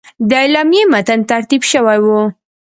د اعلامیې متن ترتیب شوی وو.